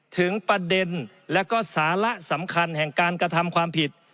ถึงประเด็นและก็สาระสำคัญแห่งการกระทำความผิด